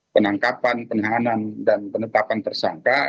penangkapan penahanan dan penetapan tersangka